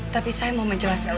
tapi saya mau menjelaskan